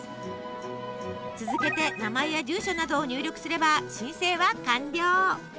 続けて名前や住所などを入力すれば申請は完了！